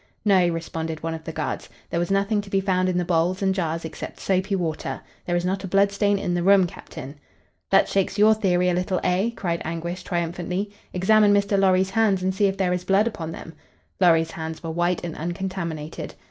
"No," responded one of the guards. "There was nothing to be found in the bowls and jars except soapy water. There is not a blood stain in the room, Captain." "That shakes your theory a little, eh?" cried Anguish, triumphantly. "Examine Mr. Lorry's hands and see if there is blood upon them." Lorry's hands were white and uncontaminated.